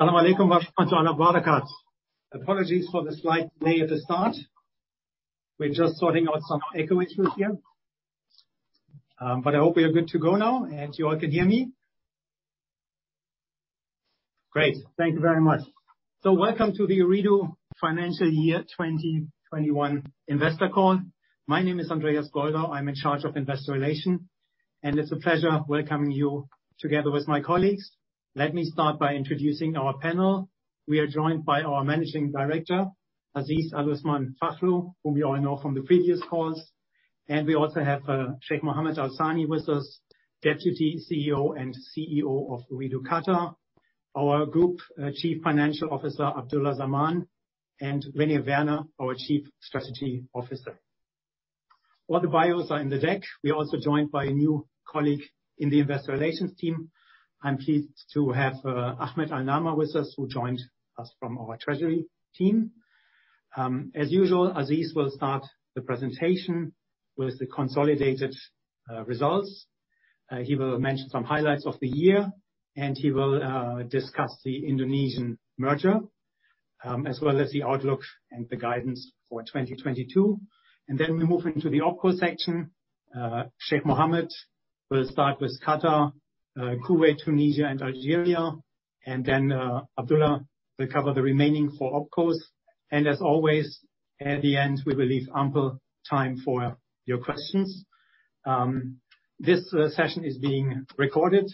Apologies for the slight delay at the start. We're just sorting out some echo issues here. But I hope we are good to go now, and you all can hear me. Great, thank you very much. Welcome to the Ooredoo Financial Year 2021 Investor Call. My name is Andreas Goldau, I'm in charge of Investor Relations, and it's a pleasure welcoming you together with my colleagues. Let me start by introducing our panel. We are joined by our Managing Director, Aziz Aluthman Fakhroo, whom you all know from the previous calls. We also have Sheikh Mohammed Al Thani with us, Deputy CEO and CEO of Ooredoo Qatar, our Group Chief Financial Officer, Abdulla Zaman, and René Werner, our Chief Strategy Officer. All the bios are in the deck. We are also joined by a new colleague in the Investor Relations team. I'm pleased to have Ahmad Al-Naama with us, who joined us from our treasury team. As usual, Aziz will start the presentation with the consolidated results. He will mention some highlights of the year, and he will discuss the Indonesian merger, as well as the outlook and the guidance for 2022. Then we move into the opco section. Sheikh Mohammed Al Thani will start with Qatar, Kuwait, Tunisia, and Algeria. Then, Abdulla will cover the remaining four opcos. As always, at the end, we will leave ample time for your questions. This session is being recorded,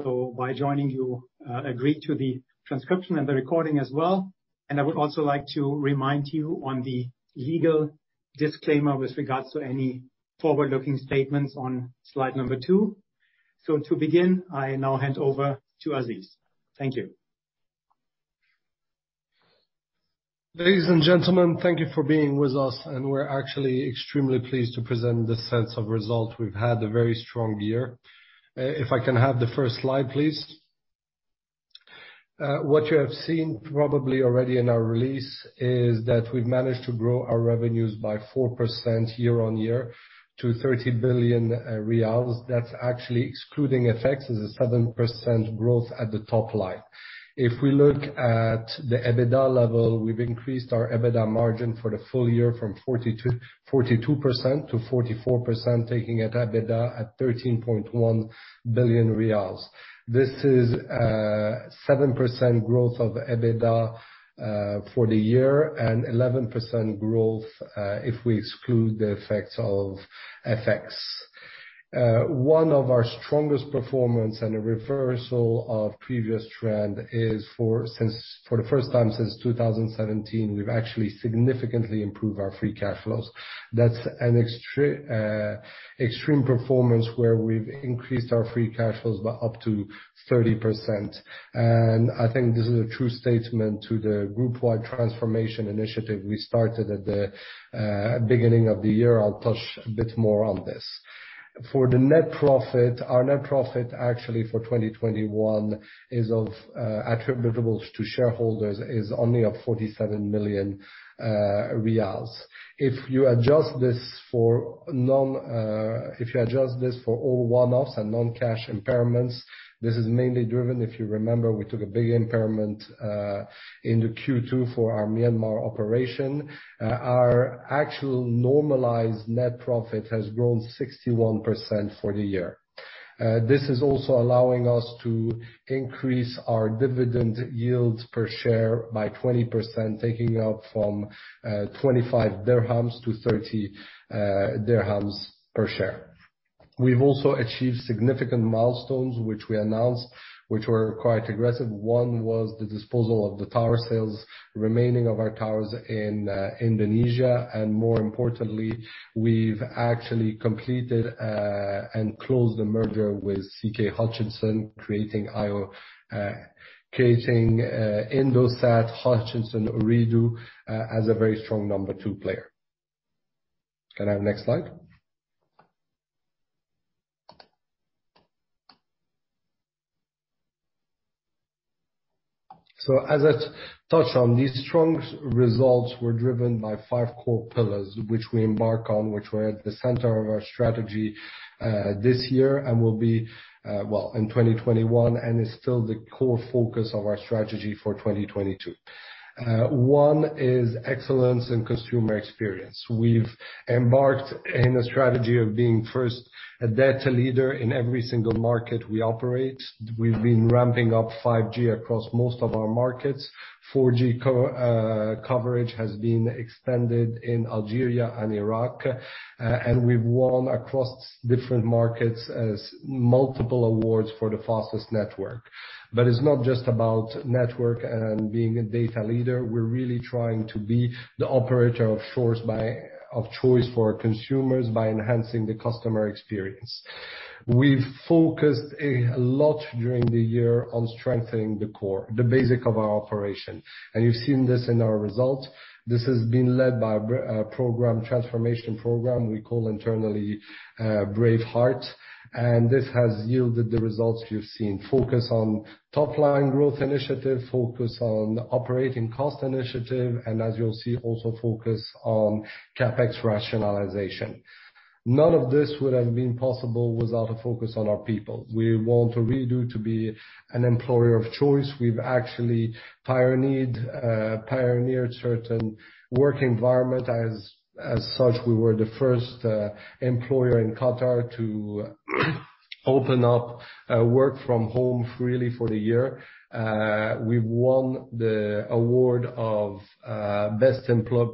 so by joining, you agree to the transcription and the recording as well. I would also like to remind you on the legal disclaimer with regards to any forward-looking statements on slide number two. To begin, I now hand over to Aziz. Thank you. Ladies and gentlemen, thank you for being with us, and we're actually extremely pleased to present the sets of results. We've had a very strong year. If I can have the first slide, please. What you have seen probably already in our release is that we've managed to grow our revenues by 4% year-on-year to 30 billion riyals. That's actually excluding effects, is a 7% growth at the top line. If we look at the EBITDA level, we've increased our EBITDA margin for the full year from 42% to 44%, taking EBITDA at 13.1 billion riyals. This is 7% growth of EBITDA for the year and 11% growth if we exclude the effects of FX. One of our strongest performance and a reversal of previous trend is for the first time since 2017, we've actually significantly improved our free cash flows. That's an extreme performance where we've increased our free cash flows by up to 30%. I think this is a true statement to the group wide transformation initiative we started at the beginning of the year. I'll touch a bit more on this. For the net profit, our net profit actually for 2021 attributable to shareholders is only 47 million riyals. If you adjust this for all one-offs and non-cash impairments, this is mainly driven, if you remember, we took a big impairment in the Q2 for our Myanmar operation. Our actual normalized net profit has grown 61% for the year. This is also allowing us to increase our dividend yields per share by 20%, taking up from QAR 0.25 to QAR 0.30 per share. We've also achieved significant milestones which we announced, which were quite aggressive. One was the disposal of the tower sales remaining of our towers in Indonesia. More importantly, we've actually completed and closed the merger with CK Hutchison, creating Indosat Hutchison Ooredoo as a very strong number two player. Can I have next slide? As I touched on, these strong results were driven by five core pillars which we embark on, which were at the center of our strategy this year and will be in 2021, and is still the core focus of our strategy for 2022. One is excellence in consumer experience. We've embarked in a strategy of being first a data leader in every single market we operate. We've been ramping up 5G across most of our markets. 4G coverage has been extended in Algeria and Iraq. We've won across different markets several awards for the fastest network. It's not just about network and being a data leader. We're really trying to be the operator of choice for consumers by enhancing the customer experience. We've focused a lot during the year on strengthening the core, the basic of our operation. You've seen this in our results. This has been led by a program, transformation program we call internally Braveheart, and this has yielded the results you've seen. Focus on top line growth initiative, focus on operating cost initiative, and as you'll see, also focus on CapEx rationalization. None of this would have been possible without a focus on our people. We want Ooredoo to be an employer of choice. We've actually pioneered certain work environment. As such, we were the first employer in Qatar to open up work from home freely for the year. We won the award of Best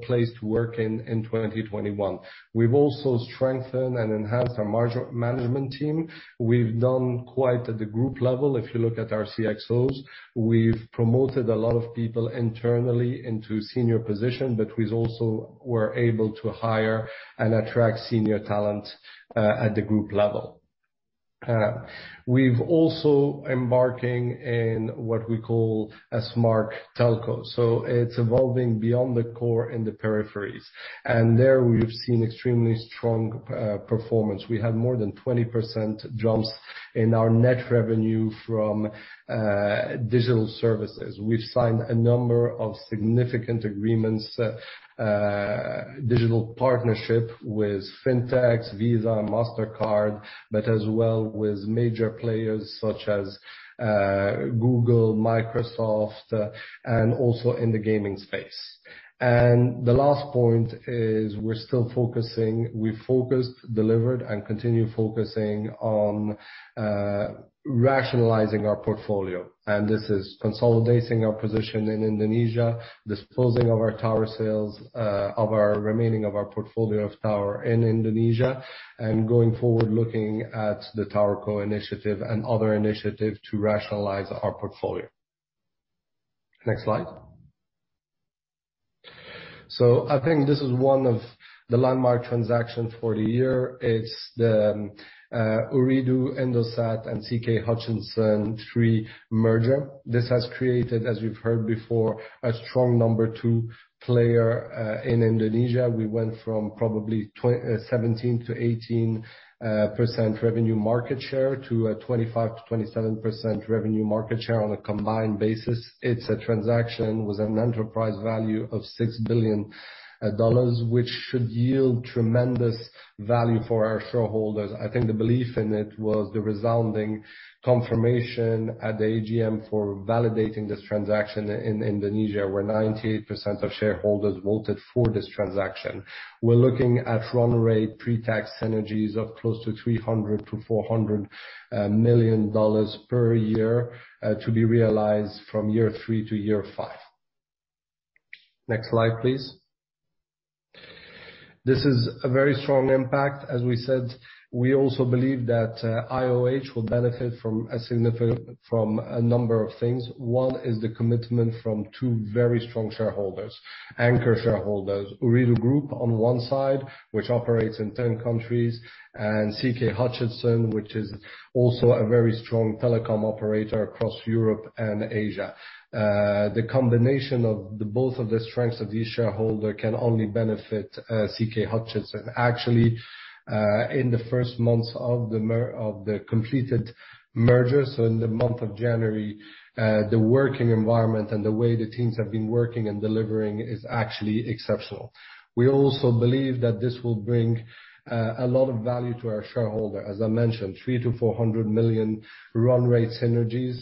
Place to Work in 2021. We've also strengthened and enhanced our management team. We've done quite at the group level. If you look at our CXOs, we've promoted a lot of people internally into senior positions, but we've also been able to hire and attract senior talent at the group level. We've also been embarking in what we call a Smart Telco, so it's evolving beyond the core and the peripheries. There we've seen extremely strong performance. We have more than 20% jumps in our net revenue from digital services. We've signed a number of significant agreements, digital partnership with Fintechs, Visa, Mastercard, but as well with major players such as Google, Microsoft, and also in the gaming space. The last point is we're still focusing. We focused, delivered, and continue focusing on rationalizing our portfolio. This is consolidating our position in Indonesia, disposing of our tower sales of our remaining portfolio of tower in Indonesia, and going forward, looking at the TowerCo initiative and other initiative to rationalize our portfolio. Next slide. I think this is one of the landmark transaction for the year. It's the Ooredoo, Indosat, and CK Hutchison. Three merger. This has created, as we've heard before, a strong number two player in Indonesia. We went from probably 17%-18% revenue market share to a 25%-27% revenue market share on a combined basis. It's a transaction with an enterprise value of $6 billion, which should yield tremendous value for our shareholders. I think the belief in it was the resounding confirmation at the AGM for validating this transaction in Indonesia, where 98% of shareholders voted for this transaction. We're looking at run rate pre-tax synergies of close to $300 million-$400 million per year to be realized from year three to year five. Next slide, please. This is a very strong impact. As we said, we also believe that IOH will benefit from a number of things. One is the commitment from two very strong shareholders, anchor shareholders. Ooredoo Group on one side, which operates in 10 countries, and CK Hutchison, which is also a very strong telecom operator across Europe and Asia. The combination of the both of the strengths of these shareholder can only benefit CK Hutchison. Actually, in the first months of the completed merger, so in the month of January, the working environment and the way the teams have been working and delivering is actually exceptional. We also believe that this will bring a lot of value to our shareholder. As I mentioned, $300 million-$400 million run rate synergies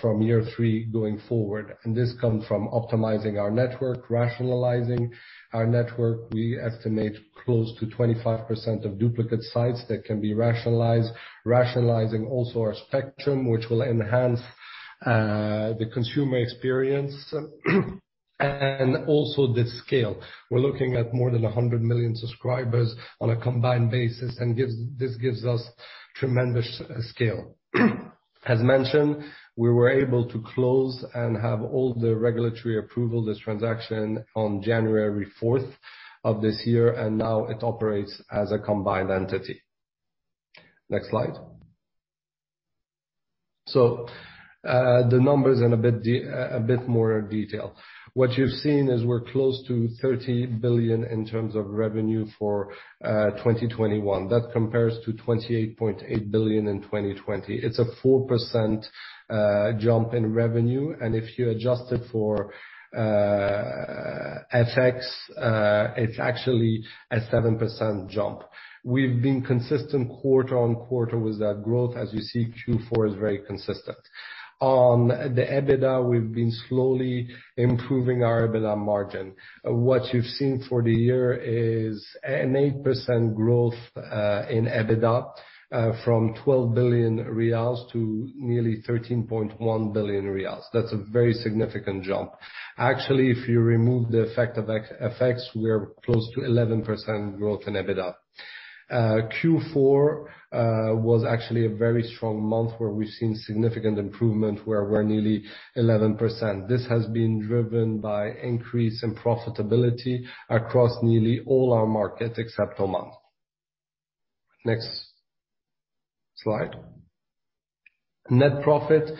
from year three going forward. This come from optimizing our network, rationalizing our network. We estimate close to 25% of duplicate sites that can be rationalized. Rationalizing also our spectrum, which will enhance the consumer experience. Also the scale. We're looking at more than 100 million subscribers on a combined basis. This gives us tremendous scale. As mentioned, we were able to close and have all the regulatory approval for this transaction on January 4th of this year, and now it operates as a combined entity. Next slide. The numbers in a bit more detail. What you've seen is we're close to 30 billion in terms of revenue for 2021. That compares to 28.8 billion in 2020. It's a 4% jump in revenue, and if you adjust it for FX, it's actually a 7% jump. We've been consistent quarter-on-quarter with that growth. As you see, Q4 is very consistent. On the EBITDA, we've been slowly improving our EBITDA margin. What you've seen for the year is an 8% growth in EBITDA from 12 billion riyals to nearly 13.1 billion riyals. That's a very significant jump. Actually, if you remove the effect of ex-FX, we are close to 11% growth in EBITDA. Q4 was actually a very strong month where we've seen significant improvement where we're nearly 11%. This has been driven by increase in profitability across nearly all our markets except Oman. Next slide. Net profit.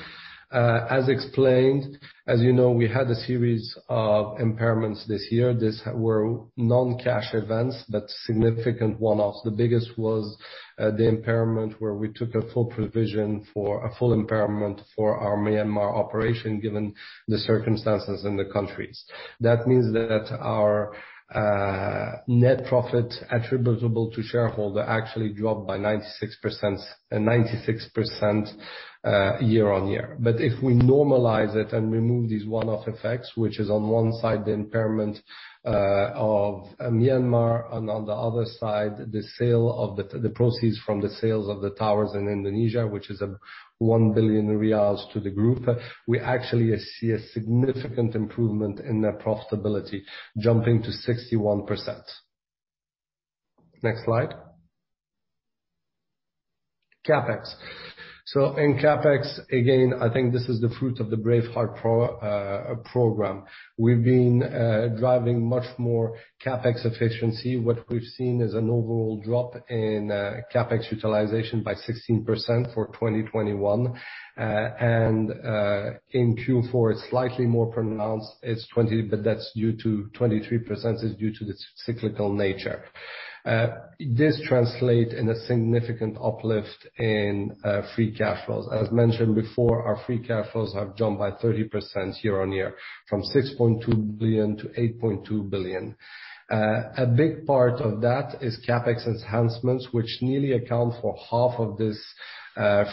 As explained, as you know, we had a series of impairments this year. These were non-cash events, but significant one-offs. The biggest was the impairment where we took a full provision for a full impairment for our Myanmar operation, given the circumstances in the country. That means that our net profit attributable to shareholder actually dropped by 96%, year-on-year. If we normalize it and remove these one-off effects, which is on one side, the impairment of Myanmar, and on the other side, the proceeds from the sales of the towers in Indonesia, which is 1 billion riyals to the group. We actually see a significant improvement in their profitability, jumping to 61%. Next slide. CapEx. So in CapEx, again, I think this is the fruit of the Braveheart program. We've been driving much more CapEx efficiency. What we've seen is an overall drop in CapEx utilization by 16% for 2021. In Q4, it's slightly more pronounced, it's 20% but that's due to, 23% is due to the cyclical nature. This translate in a significant uplift in free cash flows. As mentioned before, our free cash flows have jumped by 30% year-on-year from 6.2 billion to 8.2 billion. A big part of that is CapEx enhancements, which nearly account for half of this,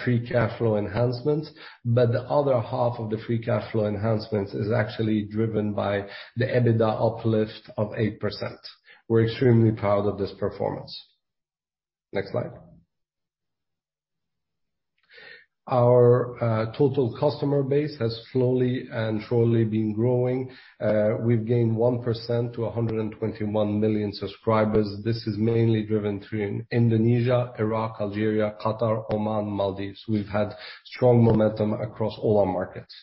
free cash flow enhancements, but the other half of the free cash flow enhancements is actually driven by the EBITDA uplift of 8%. We're extremely proud of this performance. Next slide. Our total customer base has slowly and surely been growing. We've gained 1% to 121 million subscribers. This is mainly driven through Indonesia, Iraq, Algeria, Qatar, Oman, Maldives. We've had strong momentum across all our markets.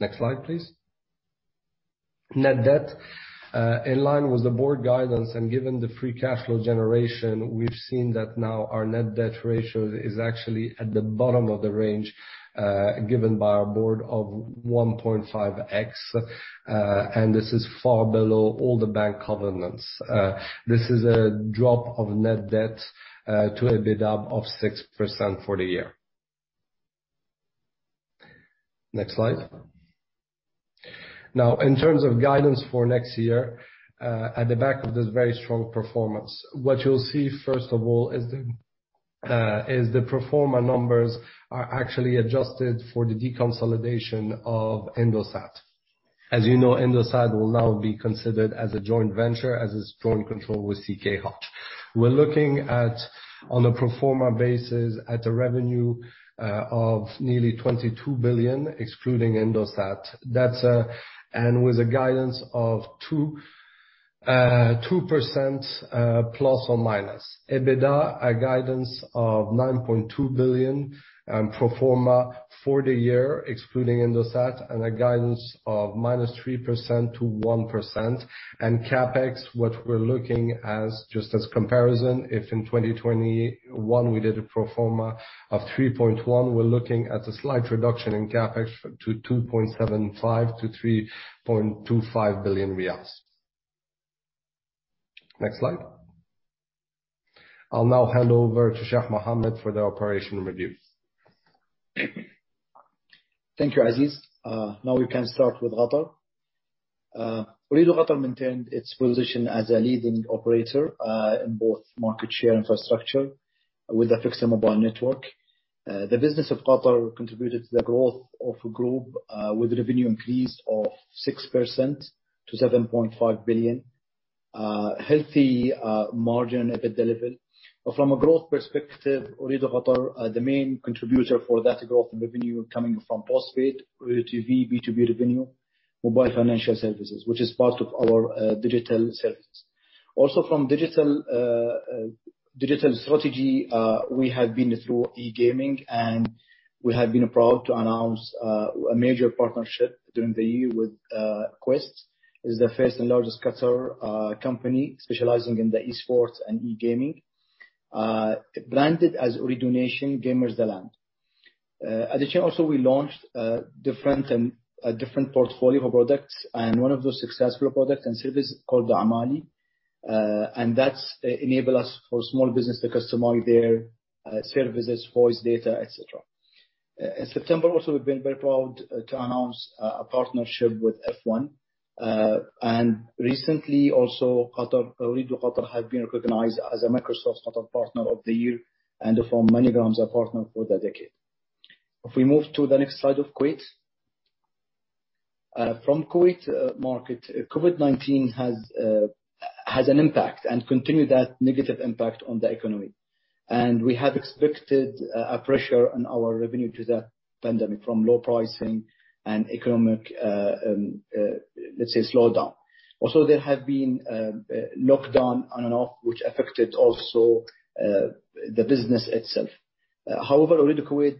Next slide, please. Net debt. In line with the Board guidance and given the free cash flow generation, we've seen that now our net debt ratio is actually at the bottom of the range given by our Board of 1.5x. This is far below all the bank covenants. This is a drop of net debt to EBITDA of 6% for the year. Next slide. In terms of guidance for next year, on the back of this very strong performance, what you'll see, first of all, is the pro forma numbers are actually adjusted for the deconsolidation of Indosat. As you know, Indosat will now be considered as a joint venture, as is joint control with CK Hutchison. We're looking at, on a pro forma basis, at a revenue of nearly 22 billion, excluding Indosat. That's... With a guidance of 2% ±. EBITDA, a guidance of 9.2 billion, pro forma for the year, excluding Indosat, and a guidance of -3% to 1%. CapEx, what we're looking at just as comparison, if in 2021 we did a pro forma of 3.1%, we're looking at a slight reduction in CapEx to 2.75 billion-3.25 billion riyals. Next slide. I'll now hand over to Sheikh Mohammed for the operational review. Thank you, Aziz. Now we can start with Qatar. Ooredoo Qatar maintained its position as a leading operator in both market share, infrastructure with a fixed mobile network. The business of Qatar contributed to the growth of group with revenue increase of 6% to 7.5 billion. Healthy margin EBITDA level. From a growth perspective, Ooredoo Qatar are the main contributor for that growth in revenue coming from postpaid, Ooredoo TV, B2B revenue, mobile financial services, which is part of our digital services. Also from digital strategy, we have been through e-gaming, and we have been proud to announce a major partnership during the year with Quest. It's the first and largest Qatari company specializing in the e-sports and e-gaming branded as Ooredoo Nation – Gamers' Land. Additionally, we launched a different portfolio of products, and one of those successful products and service is called Aamali. And that enables us for small business to customize their services, voice, data, et cetera. In September, we've been very proud to announce a partnership with F1. And recently, Ooredoo Qatar has been recognized as a Microsoft Qatar Partner of the Year and for MoneyGram's Partner for the Decade. If we move to the next slide of Kuwait. From Kuwait market, COVID-19 has an impact and continues that negative impact on the economy. We have expected a pressure on our revenue due to that pandemic from low pricing and economic, let's say slowdown. There have been lockdown on and off, which affected also the business itself. However, Ooredoo Kuwait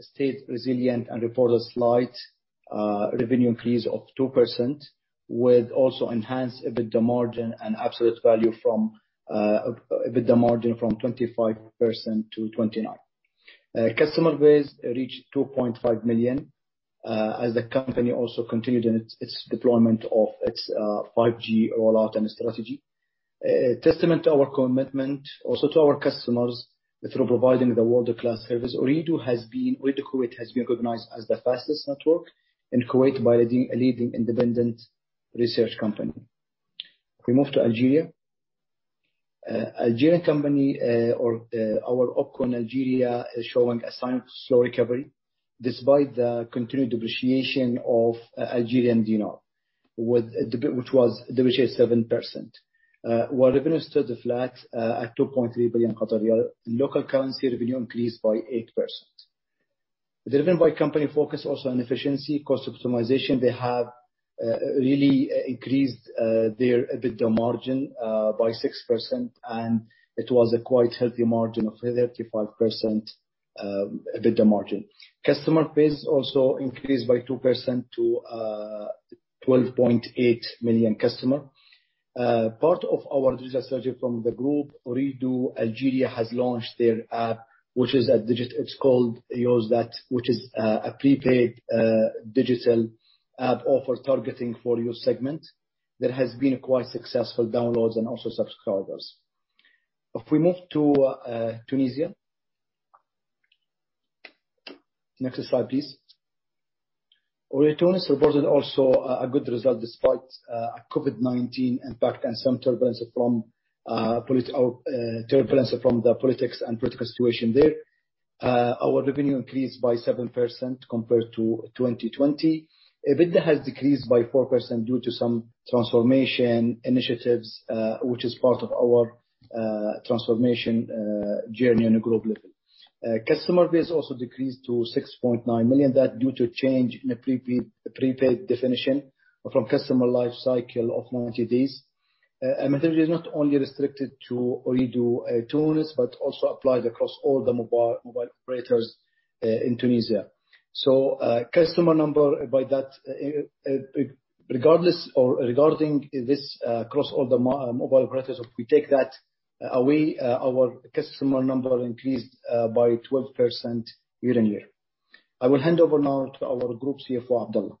stayed resilient and reported slight revenue increase of 2% with also enhanced EBITDA margin and absolute value from EBITDA margin from 25% to 29%. Customer base reached 2.5 million as the company also continued in its deployment of its 5G rollout and strategy. Testament to our commitment also to our customers through providing the world-class service. Ooredoo Kuwait has been recognized as the fastest network in Kuwait by a leading independent research company. If we move to Algeria. Algeria company or our OpCo in Algeria is showing a sign of slow recovery despite the continued depreciation of Algerian dinar with which was depreciated 7%. While revenue stood flat at 2.3 billion, local currency revenue increased by 8%. Driven by company focus also on efficiency cost optimization, they have really increased their EBITDA margin by 6%, and it was a quite healthy margin of 35% EBITDA margin. Customer base also increased by 2% to 12.8 million customer. Part of our digital strategy from the group, Ooredoo Algeria has launched their app, which is it's called YOOZ, which is a prepaid digital app offer targeting the youth segment that has been quite successful downloads and also subscribers. If we move to Tunisia. Next slide, please. Ooredoo Tunisia reported also a good result despite a COVID-19 impact and some turbulence from the politics and political situation there. Our revenue increased by 7% compared to 2020. EBITDA has decreased by 4% due to some transformation initiatives, which is part of our transformation journey on a group level. Customer base also decreased to 6.9 million. That is due to change in a prepaid definition from customer lifecycle of 90 days. This is not only restricted to Ooredoo Tunisia, but also applies across all the mobile operators in Tunisia. Customer number by that, regardless or regarding this, across all the mobile operators, if we take that away, our customer number increased by 12% year-on-year. I will hand over now to our Group CFO, Abdulla.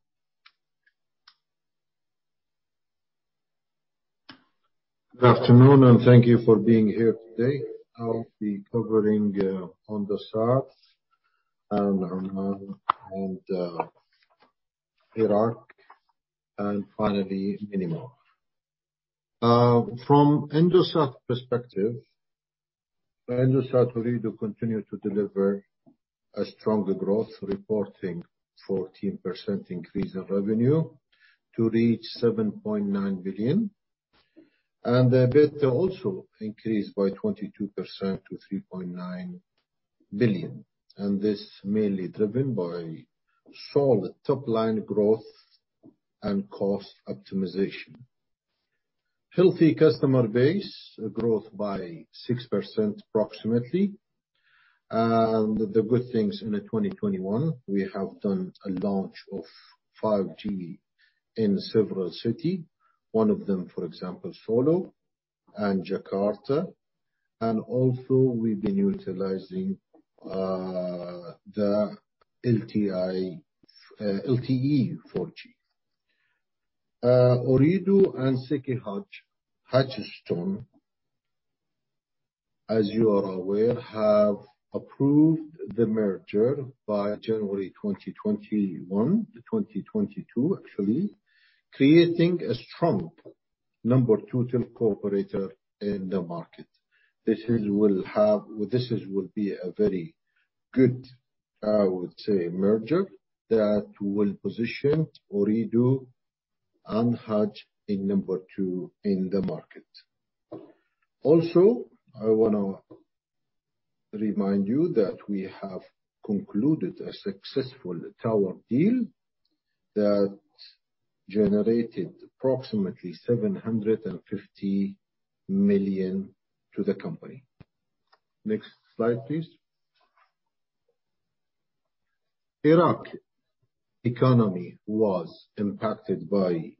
Good afternoon, and thank you for being here today. I'll be covering Indosat and Oman and Iraq and finally, Myanmar. From Indosat perspective, Indosat Ooredoo continue to deliver a stronger growth, reporting 14% increase in revenue to reach 7.9 billion. The EBITDA also increased by 22% to 3.9 billion. This mainly driven by solid top-line growth and cost optimization. Healthy customer base growth by 6% approximately. The good things in 2021, we have done a launch of 5G in several city. One of them, for example, Solo and Jakarta, and also we've been utilizing the LTE 4G. Ooredoo and CK Hutchison, as you are aware, have approved the merger by January 2021 to 2022, actually, creating a strong number two telco operator in the market. This will be a very good, I would say, merger that will position Ooredoo and Hutch in number two in the market. I wanna remind you that we have concluded a successful tower deal that generated approximately 750 million to the company. Next slide, please. Iraqi economy was impacted by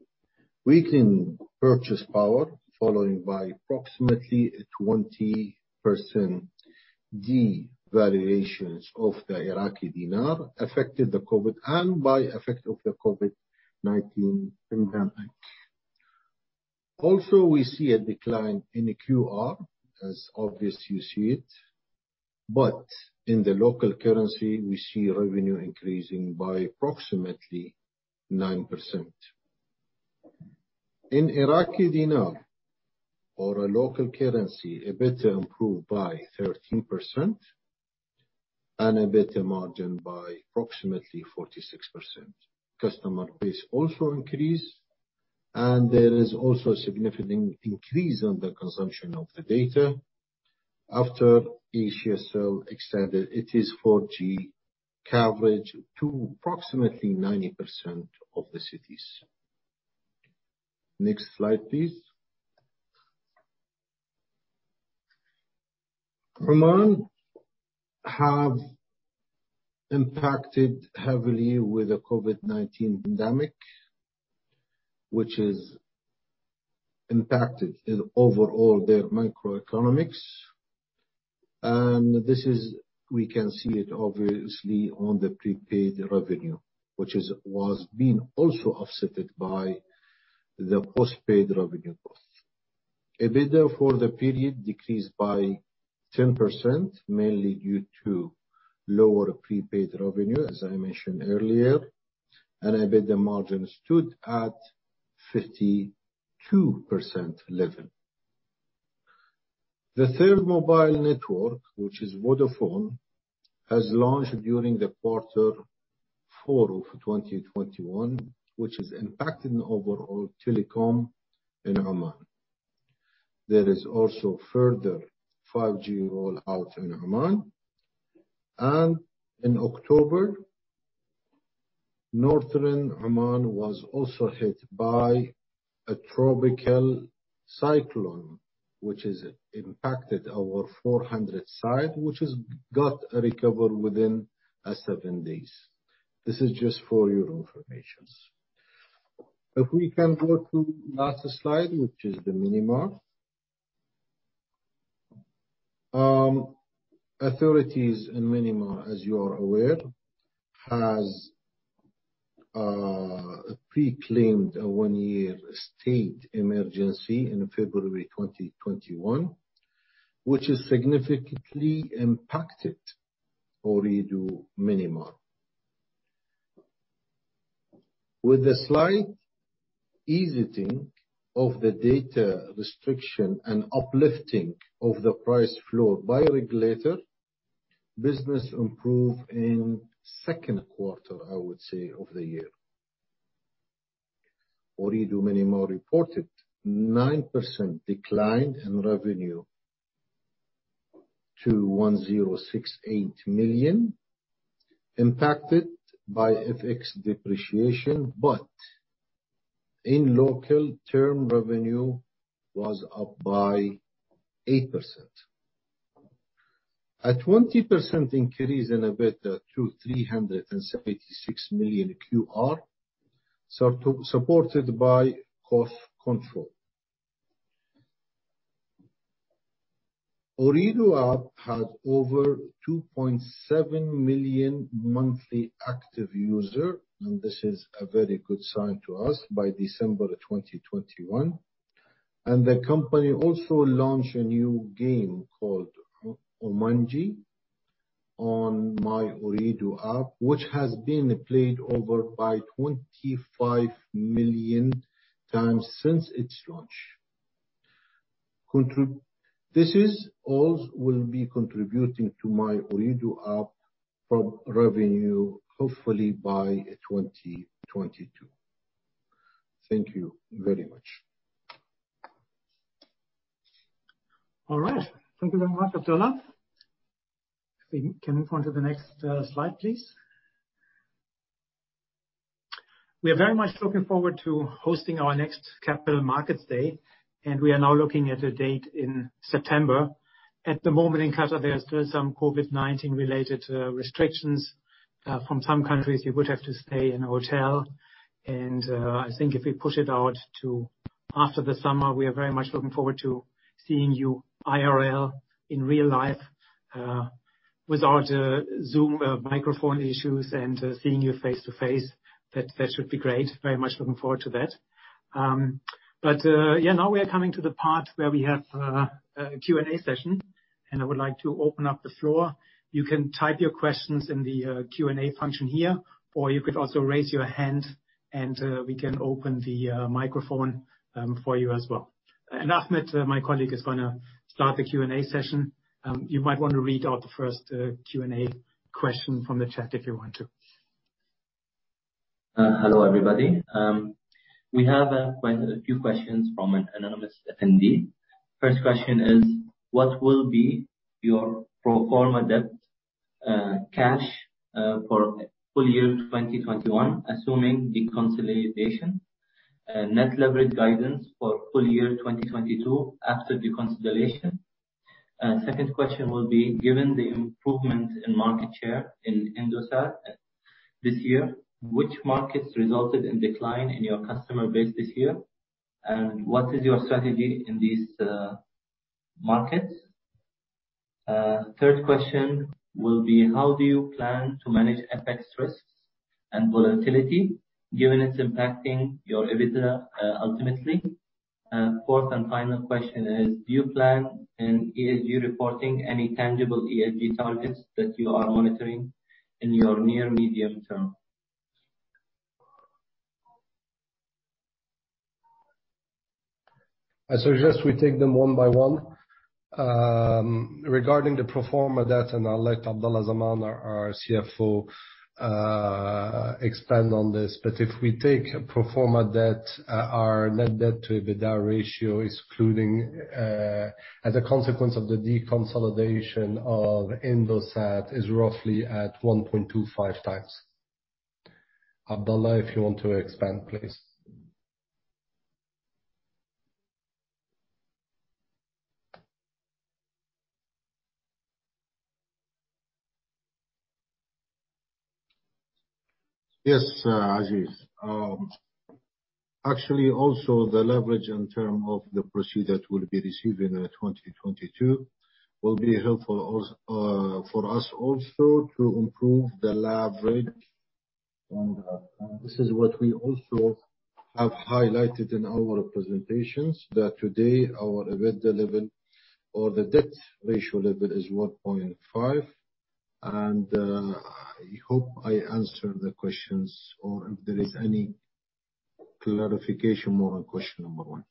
weakened purchasing power, followed by approximately a 20% devaluation of the Iraqi dinar affected by COVID and by the effects of the COVID-19 pandemic. We see a decline in the QAR, as obvious, you see it, but in the local currency we see revenue increasing by approximately 9%. In Iraqi dinar or local currency, EBITDA improved by 13% and EBITDA margin by approximately 46%. Customer base also increased, and there is also a significant increase on the consumption of the data after Asiacell extended its 4G coverage to approximately 90% of the cities. Next slide, please. Oman has been impacted heavily with the COVID-19 pandemic, which has impacted overall their macroeconomics. This is, we can see it obviously on the prepaid revenue, which was being also offset by the postpaid revenue growth. EBITDA for the period decreased by 10%, mainly due to lower prepaid revenue, as I mentioned earlier. EBITDA margin stood at 52% level. The third mobile network, which is Vodafone, has launched during Q4 of 2021, which is impacting the overall telecom in Oman. There is also further 5G rollout in Oman. In October, northern Oman was also hit by a tropical cyclone, which has impacted our 400 sites, which has got recovered within seven days. This is just for your information. If we can go to the last slide, which is Myanmar. Authorities in Myanmar, as you are aware, have proclaimed a one-year state of emergency in February 2021, which has significantly impacted Ooredoo Myanmar. With the slight easing of the data restriction and uplifting of the price floor by regulator, business improved in second quarter, I would say, of the year. Ooredoo Myanmar reported 9% decline in revenue to 1,068 million, impacted by FX depreciation. But in local term, revenue was up by 8%. A 20% increase in EBITDA to 376 million, supported by cost control. Ooredoo App had over 2.7 million monthly active user, and this is a very good sign to us, by December 2021. The company also launched a new game called Oomanji on My Ooredoo App, which has been played over 25,000,000x since its launch. This also will be contributing to My Ooredoo App from revenue, hopefully by 2022. Thank you very much. All right. Thank you very much, Abdulla. We can move on to the next slide, please. We are very much looking forward to hosting our next Capital Markets Day, and we are now looking at a date in September. At the moment in Qatar, there is still some COVID-19 related restrictions. From some countries you would have to stay in a hotel and I think if we push it out to after the summer, we are very much looking forward to seeing you IRL, in real life, without Zoom microphone issues and seeing you face-to-face. That should be great. Very much looking forward to that. Yeah, now we are coming to the part where we have a Q&A session, and I would like to open up the floor. You can type your questions in the Q&A function here, or you could also raise your hand and we can open the microphone for you as well. Ahmad, my colleague, is gonna start the Q&A session. You might wanna read out the first Q&A question from the chat if you want to. Hello, everybody. We have quite a few questions from an anonymous attendee. First question is, what will be your pro forma debt, cash, for full year 2021, assuming deconsolidation? Net leverage guidance for full year 2022 after deconsolidation? Second question will be, given the improvement in market share in Indosat this year, which markets resulted in decline in your customer base this year, and what is your strategy in these markets? Third question will be, how do you plan to manage FX risks and volatility given it's impacting your EBITDA ultimately? Fourth and final question is, do you plan and are you reporting any tangible ESG targets that you are monitoring in your near medium term? I suggest we take them one by one. Regarding the pro forma debt, and I'll let Abdulla Zaman, our CFO, expand on this, but if we take pro forma debt, our net debt to EBITDA ratio, excluding as a consequence of the deconsolidation of Indosat, is roughly at 1.25x. Abdulla, if you want to expand, please. Yes, Aziz. Actually also the leverage in terms of the proceeds that will be received in 2022 will be helpful also for us to improve the leverage ratio and this is what we also have highlighted in our presentations, that today our EBITDA level or the debt ratio level is 1.5x. I hope I answered the questions or if there is any clarification more on question number one.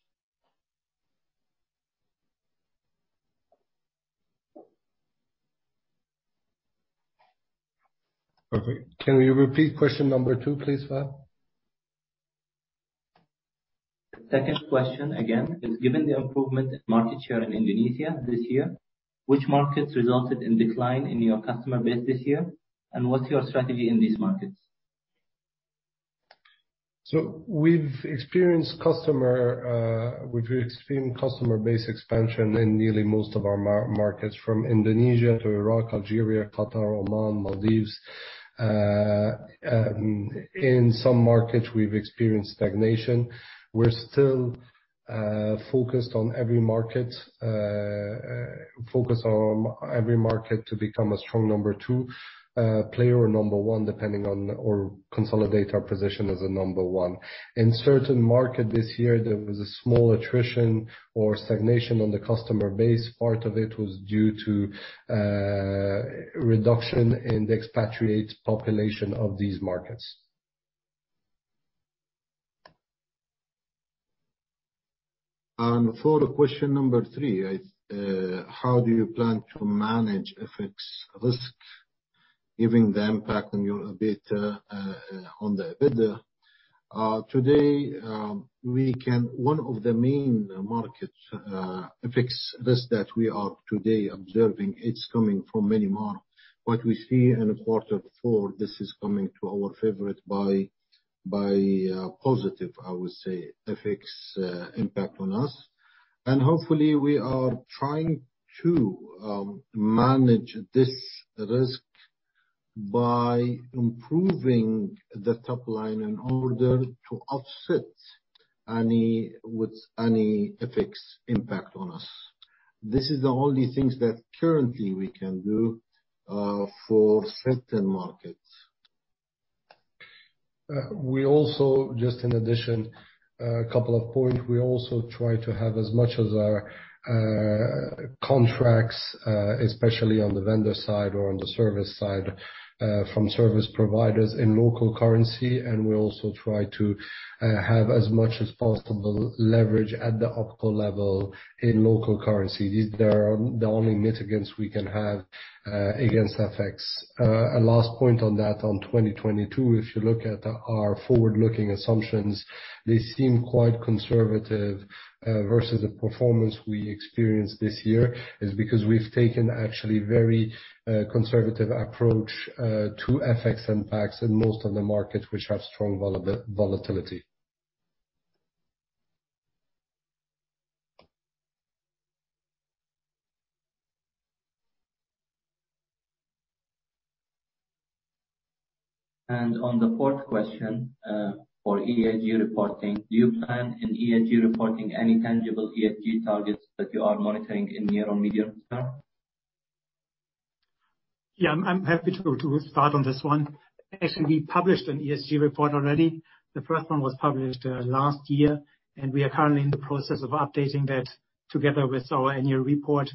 Okay. Can you repeat question number two, please, [Ahmad]? Second question, again, is given the improvement in market share in Indonesia this year, which markets resulted in decline in your customer base this year, and what's your strategy in these markets? We've experienced customer base expansion in nearly most of our markets, from Indonesia to Iraq, Algeria, Qatar, Oman, Maldives. In some markets we've experienced stagnation. We're still focused on every market to become a strong number two player or number one, depending on or consolidate our position as a number one. In certain markets this year, there was a small attrition or stagnation on the customer base. Part of it was due to reduction in the expatriate population of these markets. For question number three, how do you plan to manage FX risk, given the impact on your EBITDA? Today, one of the main markets FX risk that we are today observing, it's coming from many more. What we see in quarter four, this is coming to our favor by positive, I would say, FX impact on us. Hopefully we are trying to manage this risk by improving the top line in order to offset any FX impact on us. This is the only thing that currently we can do for certain markets. We also, just in addition, a couple of points. We also try to have as much of our contracts, especially on the vendor side or on the service side, from service providers in local currency. We also try to have as much as possible leverage at the OpCo level in local currency. These are the only mitigants we can have against FX. A last point on that, on 2022, if you look at our forward-looking assumptions, they seem quite conservative versus the performance we experienced this year is because we've taken actually very conservative approach to FX impacts in most of the markets which have strong volatility. On the fourth question, for ESG reporting, do you plan in ESG reporting any tangible ESG targets that you are monitoring in near or medium term? Yeah, I'm happy to start on this one. Actually, we published an ESG report already. The first one was published last year, and we are currently in the process of updating that together with our annual report.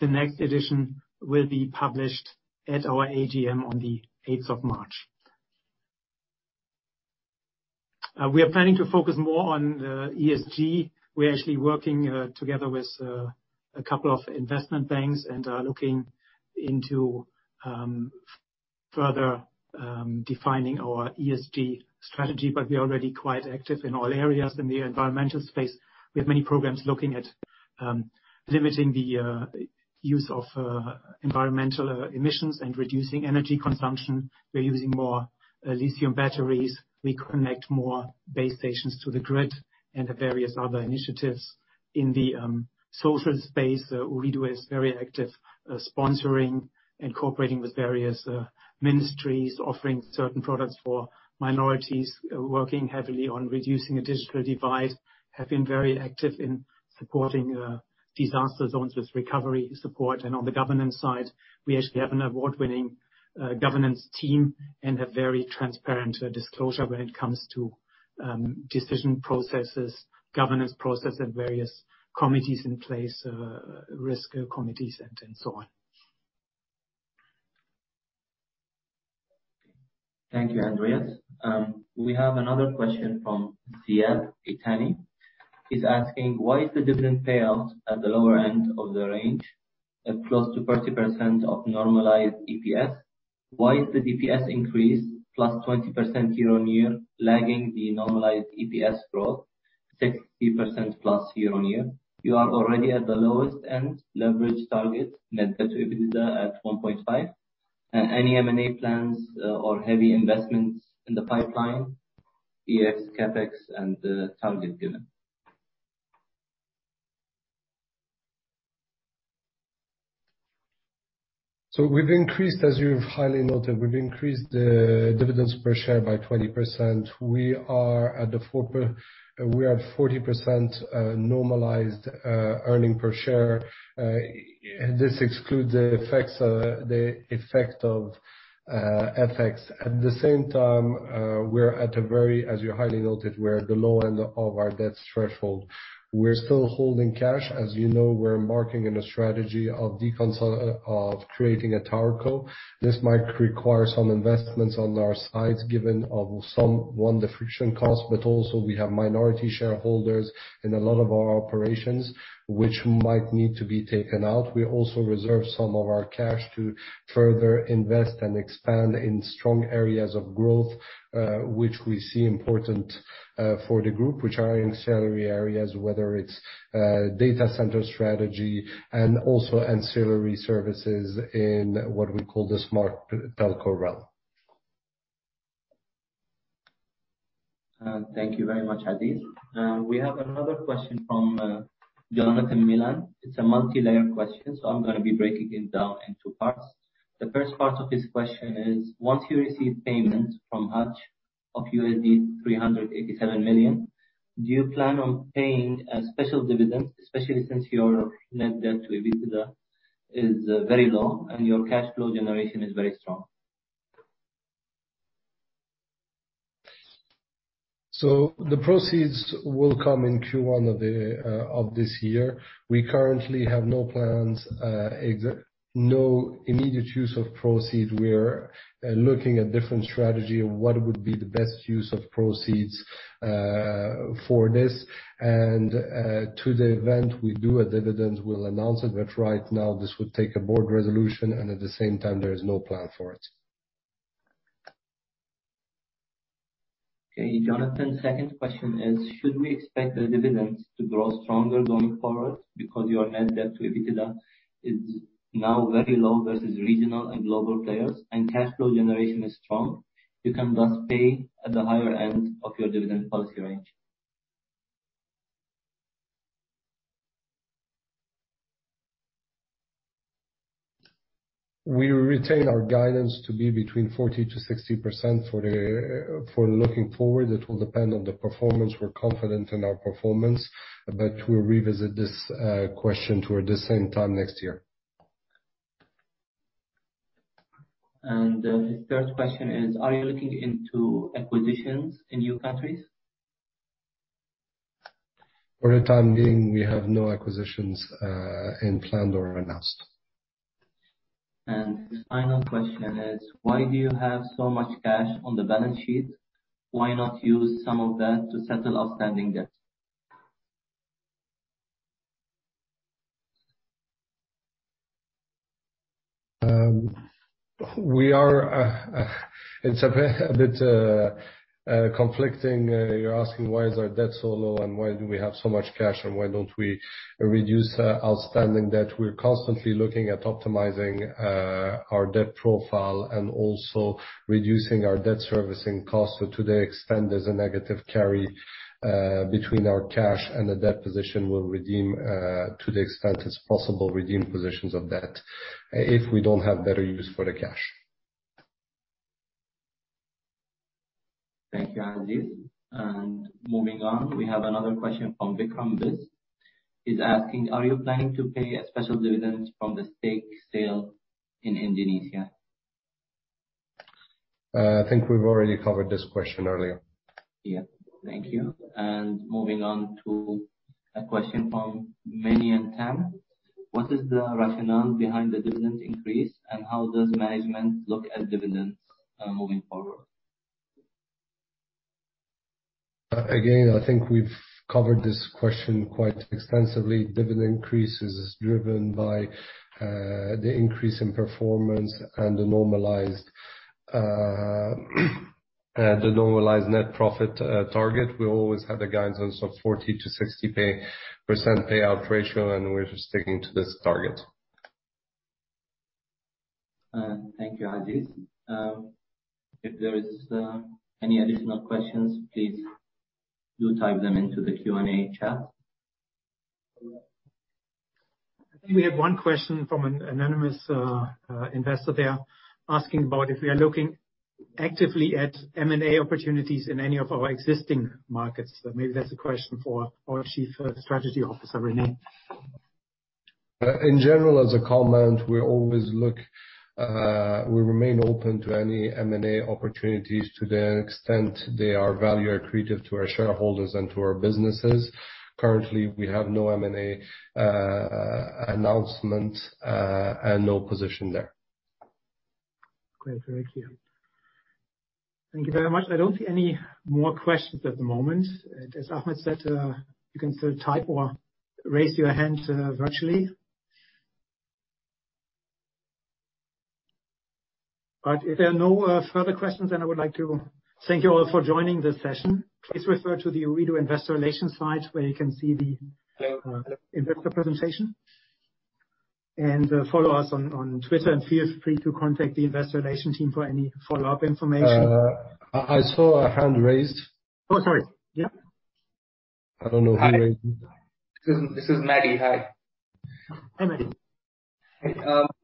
The next edition will be published at our AGM on the 8th of March. We are planning to focus more on ESG. We're actually working together with a couple of investment banks and are looking into further defining our ESG strategy, but we are already quite active in all areas. In the environmental space, we have many programs looking at limiting the use of environmental emissions and reducing energy consumption. We're using more lithium batteries. We connect more base stations to the grid and the various other initiatives. In the social space, Ooredoo is very active, sponsoring, incorporating with various ministries, offering certain products for minorities, working heavily on reducing a digital divide, have been very active in supporting disaster zones with recovery support. On the governance side, we actually have an award-winning governance team and a very transparent disclosure when it comes to decision processes, governance process and various committees in place, risk committees and so on. Thank you, Andreas. We have another question from Ziad Itani. He's asking: Why is the dividend payout at the lower end of the range at close to 30% of normalized EPS? Why is the EPS increase +20% year-on-year lagging the normalized EPS growth 60%+ year-on-year? You are already at the lowest end leverage target net debt to EBITDA at 1.5x. Any M&A plans or heavy investments in the pipeline, e.g. CapEx and target given? We've increased, as you've rightly noted, the dividends per share by 20%. We are at 40% normalized earnings per share. This excludes the effects of FX. At the same time, as you rightly noted, we're at the low end of our debt threshold. We're still holding cash. As you know, we're embarking on a strategy of creating a TowerCo. This might require some investments on our side, given the friction costs, but also we have minority shareholders in a lot of our operations, which might need to be taken out. We also reserve some of our cash to further invest and expand in strong areas of growth, which we see important, for the group which are in salient areas, whether it's data center strategy and also ancillary services in what we call the Smart Telco realm. Thank you very much, Aziz. We have another question from Jonathan Miller. It's a multilayer question, so I'm gonna be breaking it down in two parts. The first part of his question is: Once you receive payment from Hutch of $387 million, do you plan on paying a special dividend, especially since your net debt to EBITDA is very low and your cash flow generation is very strong? The proceeds will come in Q1 of this year. We currently have no plans, no immediate use of proceeds. We're looking at different strategy of what would be the best use of proceeds for this. To the extent we do a dividend, we'll announce it, but right now this would take a board resolution, and at the same time, there is no plan for it. Okay. Jonathan's second question is: Should we expect the dividends to grow stronger going forward because your net debt to EBITDA is now very low versus regional and global players, and cash flow generation is strong. You can thus pay at the higher end of your dividend policy range. We retain our guidance to be between 40%-60% for the, for looking forward. It will depend on the performance. We're confident in our performance, but we'll revisit this, question toward the same time next year. His third question is: Are you looking into acquisitions in new countries? For the time being, we have no acquisitions planned or announced. His final question is: Why do you have so much cash on the balance sheet? Why not use some of that to settle outstanding debt? It's a bit conflicting. You're asking why is our debt so low and why do we have so much cash and why don't we reduce our outstanding debt. We're constantly looking at optimizing our debt profile and also reducing our debt servicing costs. To the extent there's a negative carry between our cash and the debt position, we'll redeem to the extent it's possible positions of debt if we don't have better use for the cash. Thank you, Aziz. Moving on, we have another question from Vikram. He's asking: Are you planning to pay a special dividend from the stake sale in Indonesia? I think we've already covered this question earlier. Yeah. Thank you. Moving on to a question from: What is the rationale behind the dividend increase, and how does management look at dividends, moving forward? Again, I think we've covered this question quite extensively. Dividend increase is driven by the increase in performance and the normalized net profit target. We always had the guidelines of 40%-60% payout ratio, and we're sticking to this target. Thank you, Aziz. If there is any additional questions, please do type them into the Q&A chat. I think we have one question from an anonymous investor there asking about if we are looking actively at M&A opportunities in any of our existing markets. Maybe that's a question for our Chief Strategy Officer, René. In general, as a comment, we always look, we remain open to any M&A opportunities to the extent they are value accretive to our shareholders and to our businesses. Currently, we have no M&A announcement, and no position there. Great. Thank you. Thank you very much. I don't see any more questions at the moment. As Ahmad said, you can still type or raise your hand virtually. If there are no further questions, then I would like to thank you all for joining this session. Please refer to the Ooredoo Investor Relations site where you can see the investor presentation. Follow us on Twitter, and feel free to contact the Investor Relations team for any follow-up information. I saw a hand raised. Oh, sorry. Yeah? I don't know who raised it. This is Maddy. Hi. Hi, Maddy. Hey.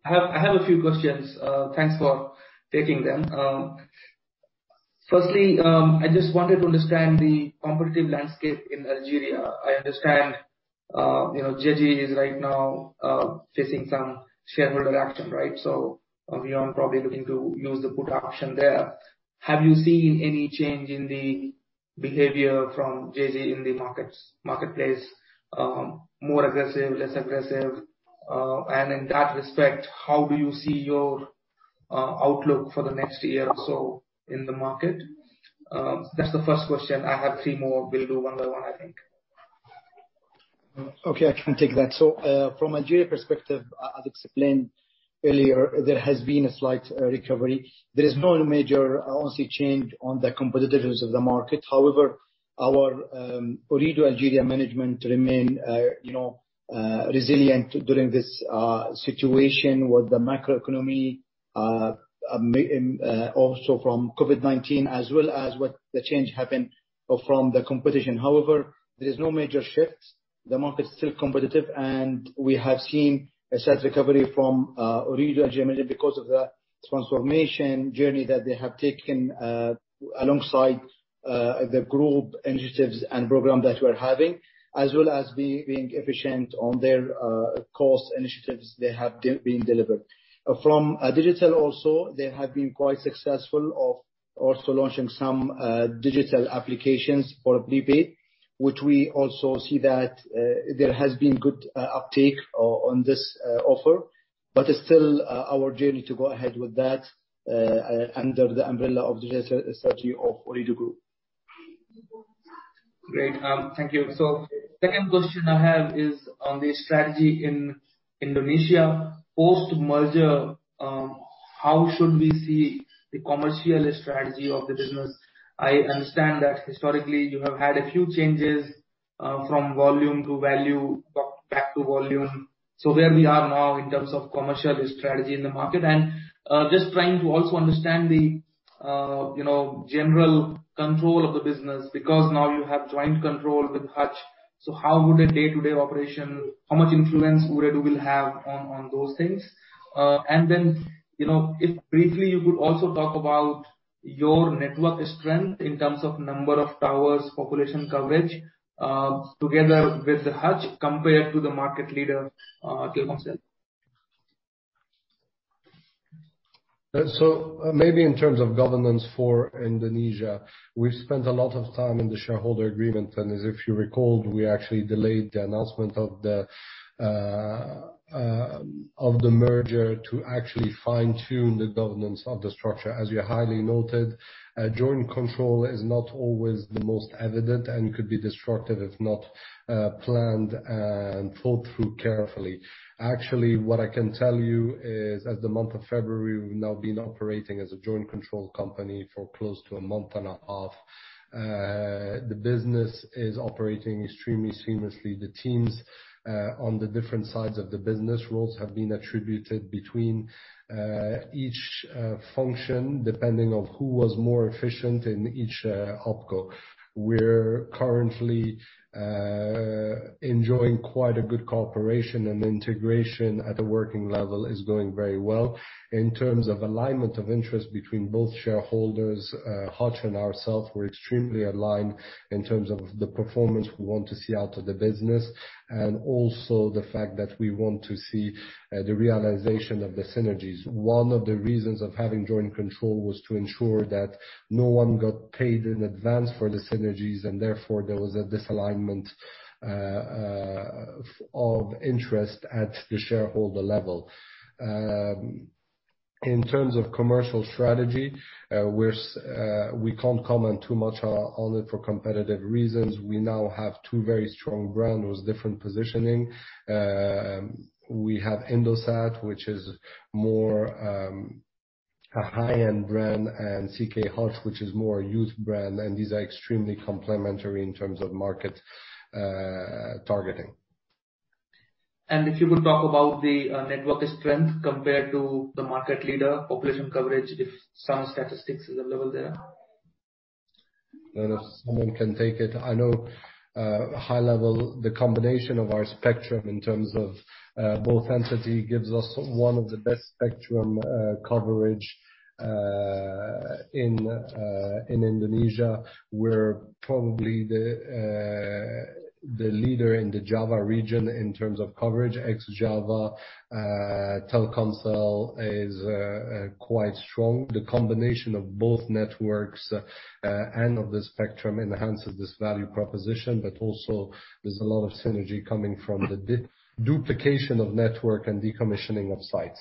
I have a few questions. Thanks for taking them. Firstly, I just wanted to understand the competitive landscape in Algeria. I understand, you know, Djezzy is right now facing some shareholder action, right? So beyond probably looking to use the put option there, have you seen any change in the behavior from Djezzy in the marketplace, more aggressive, less aggressive? And in that respect, how do you see your outlook for the next year or so in the market? That's the first question. I have three more. We'll do one by one, I think. Okay, I can take that. From Algeria perspective, as explained earlier, there has been a slight recovery. There is no major honestly change on the competitiveness of the market. However, our Ooredoo Algeria management remain, you know, resilient during this situation with the macroeconomy, i.e., also from COVID-19 as well as what the change happened from the competition. However, there is no major shifts. The market is still competitive, and we have seen a sales recovery from Ooredoo Algeria because of the transformation journey that they have taken, alongside the group initiatives and program that we're having, as well as being efficient on their cost initiatives they have been delivered. From digital also, they have been quite successful in also launching some digital applications for prepaid, which we also see that there has been good uptake on this offer. It's still our journey to go ahead with that under the umbrella of digital strategy of Ooredoo Group. Great. Thank you. Second question I have is on the strategy in Indonesia. Post-merger, how should we see the commercial strategy of the business? I understand that historically you have had a few changes from volume to value, back to volume. Where we are now in terms of commercial strategy in the market? And just trying to also understand the, you know, general control of the business because now you have joint control with Hutch. How would a day-to-day operation, how much influence Ooredoo will have on those things? And then, you know, if briefly you could also talk about your network strength in terms of number of towers, population coverage together with Hutch compared to the market leader, Telkomsel. Maybe in terms of governance for Indonesia, we've spent a lot of time in the shareholder agreement, and as you recall, we actually delayed the announcement of the merger to actually fine-tune the governance of the structure. As you highlighted, joint control is not always the most efficient and could be destructive if not planned and thought through carefully. Actually, what I can tell you is as of the month of February, we've now been operating as a joint control company for close to a month and a half. The business is operating extremely seamlessly. The teams on the different sides of the business roles have been attributed between each function depending on who was more efficient in each OpCo. We're currently enjoying quite a good cooperation and integration at the working level is going very well. In terms of alignment of interest between both shareholders, Hutch and ourselves, we're extremely aligned in terms of the performance we want to see out of the business and also the fact that we want to see the realization of the synergies. One of the reasons of having joint control was to ensure that no one got paid in advance for the synergies and therefore there was a disalignment of interest at the shareholder level. In terms of commercial strategy, we're we can't comment too much on it for competitive reasons. We now have two very strong brands with different positioning. We have Indosat, which is more a high-end brand, and CK Hutchison, which is more a youth brand, and these are extremely complementary in terms of market targeting. If you could talk about the network strength compared to the market leader population coverage, if some statistics is available there. If someone can take it. I know high level, the combination of our spectrum in terms of both entities gives us one of the best spectrum coverage in Indonesia. We're probably the leader in the Java region in terms of coverage. Ex-Java, Telkomsel is quite strong. The combination of both networks and of the spectrum enhances this value proposition, but also there's a lot of synergy coming from the duplication of network and decommissioning of sites.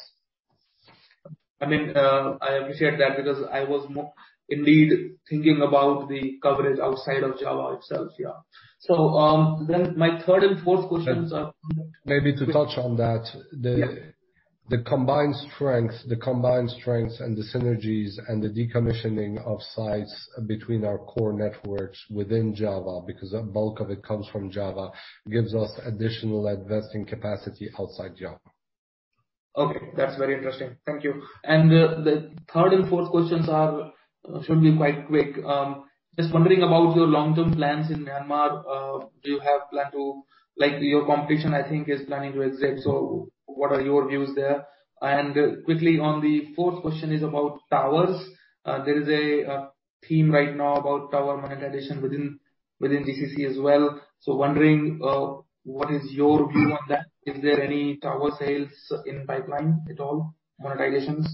I mean, I appreciate that because I was more indeed thinking about the coverage outside of Java itself, yeah. My third and fourth questions are- Maybe to touch on that. The combined strengths and the synergies and the decommissioning of sites between our core networks within Java, because a bulk of it comes from Java, gives us additional investing capacity outside Java. Okay, that's very interesting. Thank you. The third and fourth questions are should be quite quick. Just wondering about your long-term plans in Myanmar. Do you have plan to like your competition, I think, is planning to exit, so what are your views there? Quickly on the fourth question is about towers. There is a theme right now about tower monetization within GCC as well. So wondering what is your view on that. Is there any tower sales in pipeline at all? Monetizations?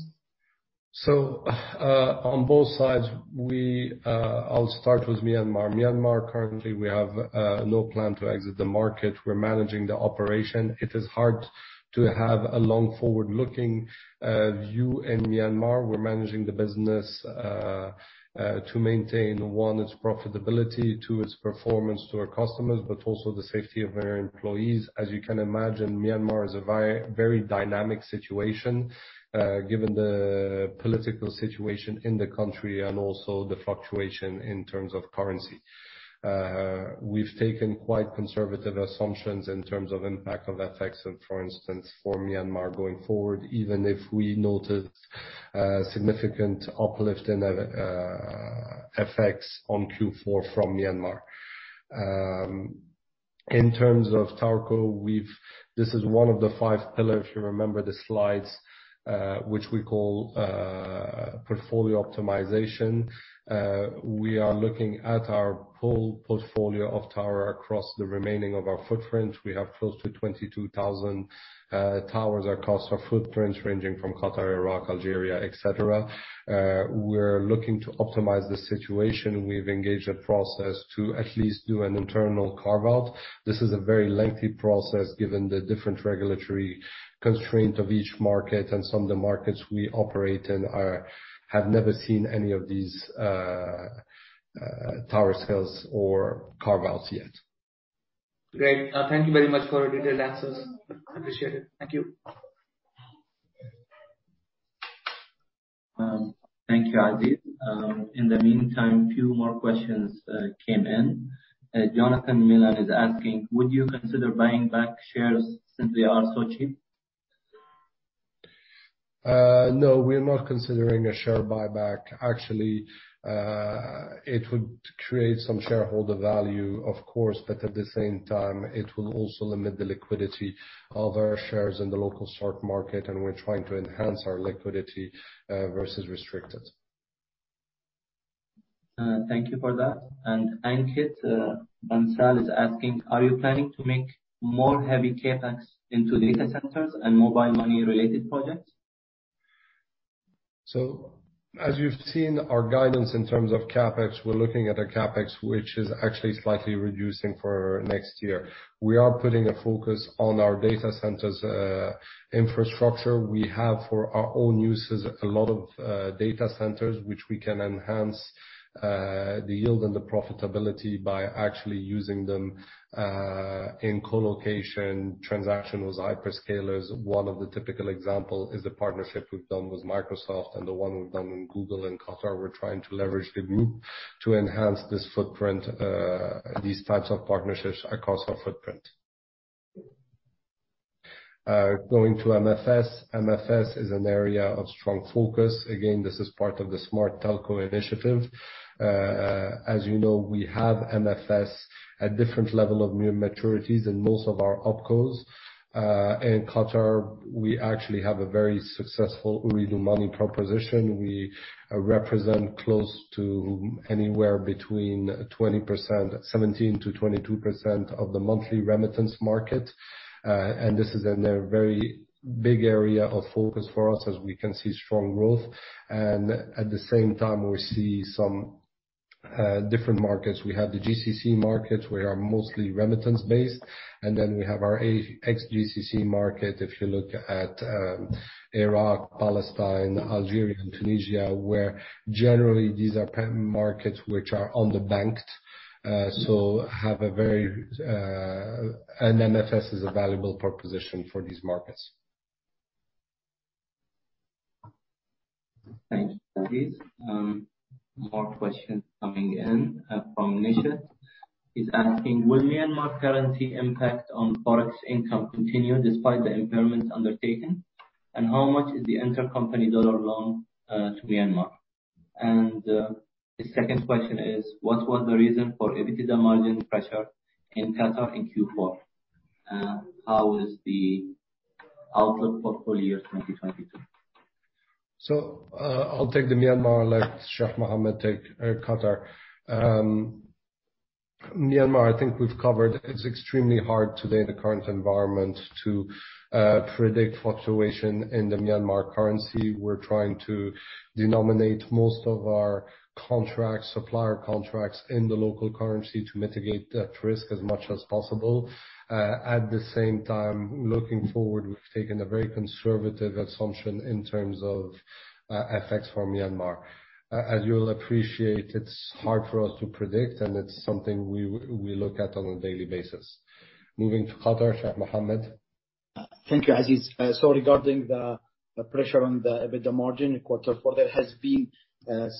On both sides, we, I'll start with Myanmar. Myanmar, currently, we have no plan to exit the market. We're managing the operation. It is hard to have a long forward-looking view in Myanmar. We're managing the business to maintain, one, its profitability, two, its performance to our customers, but also the safety of our employees. As you can imagine, Myanmar is a very dynamic situation, given the political situation in the country and also the fluctuation in terms of currency. We've taken quite conservative assumptions in terms of impact of FX, for instance, for Myanmar going forward, even if we noted significant uplift in FX on Q4 from Myanmar. In terms of TowerCo, we've this is one of the five pillars, if you remember the slides, which we call portfolio optimization. We are looking at our whole portfolio of towers across the remaining of our footprint. We have close to 22,000 towers across our footprints, ranging from Qatar, Iraq, Algeria, etc. We're looking to optimize the situation. We've engaged a process to at least do an internal carve-out. This is a very lengthy process given the different regulatory constraints of each market and some of the markets we operate in have never seen any of these tower sales or carve-outs yet. Great. Thank you very much for your detailed answers. Appreciate it. Thank you. Thank you, Aziz. In the meantime, few more questions came in. Jonathan Miller is asking, "Would you consider buying back shares since they are so cheap? No, we are not considering a share buyback. Actually, it would create some shareholder value, of course, but at the same time, it will also limit the liquidity of our shares in the local stock market, and we're trying to enhance our liquidity, versus restrict it. Thank you for that. Ankit Bansal is asking, "Are you planning to make more heavy CapEx into data centers and mobile money-related projects? As you've seen our guidance in terms of CapEx, we're looking at a CapEx which is actually slightly reducing for next year. We are putting a focus on our data centers, infrastructure. We have for our own uses a lot of data centers which we can enhance the yield and the profitability by actually using them in co-location, transactional hyperscalers. One of the typical example is the partnership we've done with Microsoft and the one we've done with Google in Qatar. We're trying to leverage the group to enhance this footprint, these types of partnerships across our footprint. Going to MFS. MFS is an area of strong focus. Again, this is part of the Smart Telco initiative. As you know, we have MFS at different level of maturities in most of our OpCos. In Qatar, we actually have a very successful Ooredoo money proposition. We represent close to anywhere between 17%-22% of the monthly remittance market. This is a very big area of focus for us as we can see strong growth. At the same time, we see some different markets. We have the GCC markets, where are mostly remittance-based, and then we have our ex-GCC market, if you look at Iraq, Palestine, Algeria, and Tunisia, where generally these are markets which are underbanked, so have a very. An MFS is a valuable proposition for these markets. Thank you, Aziz. More questions coming in from Nishant. He's asking, "Will Myanmar currency impact on Forex income continue despite the impairments undertaken? And how much is the intercompany dollar loan to Myanmar?" The second question is: What was the reason for EBITDA margin pressure in Qatar in Q4? How is the outlook for full year 2022? I'll take the Myanmar and let Sheikh Mohammed take Qatar. Myanmar, I think we've covered. It's extremely hard today in the current environment to predict fluctuation in the Myanmar currency. We're trying to denominate most of our contracts, supplier contracts, in the local currency to mitigate that risk as much as possible. At the same time, looking forward, we've taken a very conservative assumption in terms of effects from Myanmar. As you'll appreciate, it's hard for us to predict, and it's something we look at on a daily basis. Moving to Qatar, Sheikh Mohammed? Thank you, Aziz. So regarding the pressure on the margin in quarter four, there has been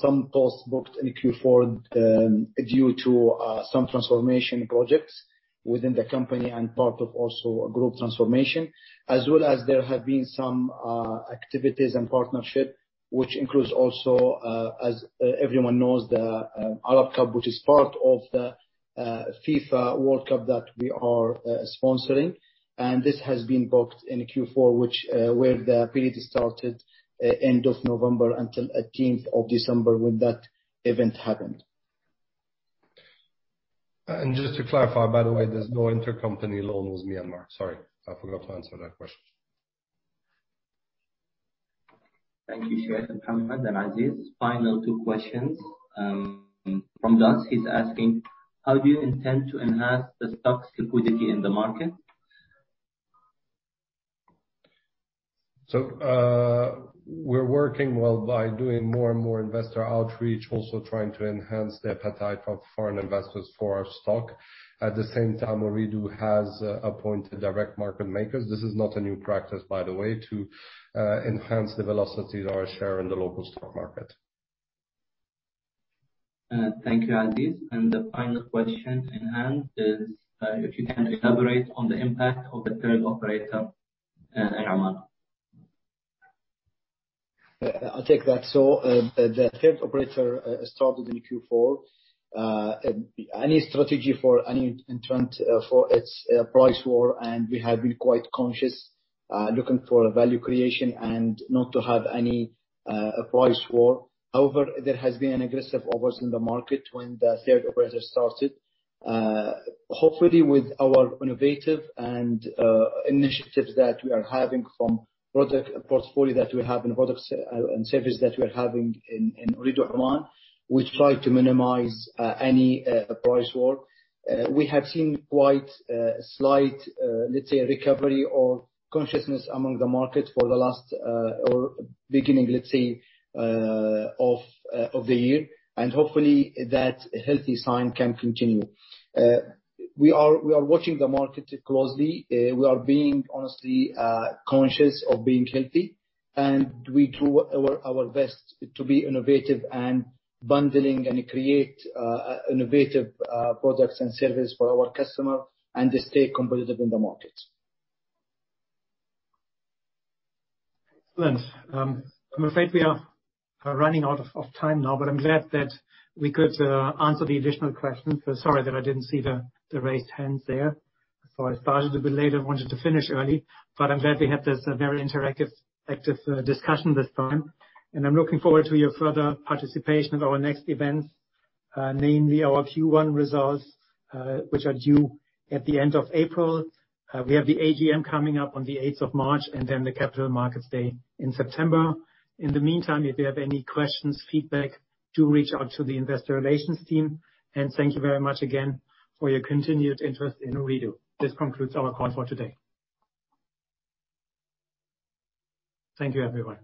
some costs booked in Q4 due to some transformation projects within the company and part of also a group transformation. As well as there have been some activities and partnership which includes also, as everyone knows, the FIFA Arab Cup, which is part of the FIFA World Cup that we are sponsoring. This has been booked in Q4, where the period started end of November until 18th of December when that event happened. Just to clarify, by the way, there's no intercompany loan with Myanmar. Sorry, I forgot to answer that question. Thank you, Sheikh Mohammed and Aziz. Final two questions from Josh. He's asking, how do you intend to enhance the stock's liquidity in the market? We're working well by doing more and more investor outreach, also trying to enhance the appetite of foreign investors for our stock. At the same time, Ooredoo has appointed direct market makers. This is not a new practice, by the way, to enhance the velocity of our share in the local stock market. Thank you, Aziz. The final question in hand is, if you can elaborate on the impact of the third operator in Oman. I'll take that. The third operator started in Q4. Our strategy for any entrant for its price war, and we have been quite conscious looking for value creation and not to have any price war. However, there has been an aggressive offers in the market when the third operator started. Hopefully with our innovative and initiatives that we are having from product portfolio that we have and service that we are having in Ooredoo Oman, we try to minimize any price war. We have seen quite slight, let's say recovery or consciousness among the market for the last or beginning, let's say, of the year. Hopefully that healthy sign can continue. We are watching the market closely. We are being honestly conscious of being healthy. We do our best to be innovative and bundling and create innovative products and service for our customer, and they stay competitive in the market. Excellent. I'm afraid we're running out of time now, but I'm glad that we could answer the additional questions. Sorry that I didn't see the raised hands there. I started a bit later, I wanted to finish early, but I'm glad we had this very interactive, active discussion this time. I'm looking forward to your further participation at our next events, namely our Q1 results, which are due at the end of April. We have the AGM coming up on the 18th of March and then the Capital Markets Day in September. In the meantime, if you have any questions, feedback, do reach out to the investor relations team. Thank you very much again for your continued interest in Ooredoo. This concludes our call for today. Thank you, everyone.